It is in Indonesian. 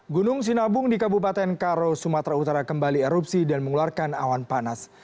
gunung sinabung di kabupaten karo sumatera utara kembali erupsi dan mengeluarkan awan panas